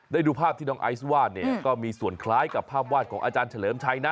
ดูภาพที่น้องไอซ์วาดเนี่ยก็มีส่วนคล้ายกับภาพวาดของอาจารย์เฉลิมชัยนะ